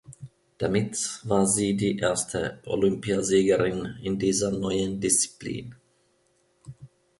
Damit war sie die erste Olympiasiegerin in dieser neuen Disziplin.